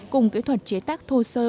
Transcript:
cùng kỹ thuật chế tác thô sơ